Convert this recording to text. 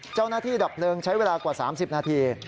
เจ้าหน้าที่ดับเนิงใช้เวลากว่า๓๐นาที